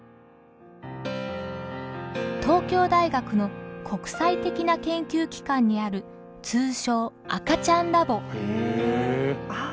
東京大学の国際的な研究機関にある通称赤ちゃんラボ。